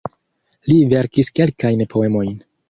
Li verkis kelkajn poemojn.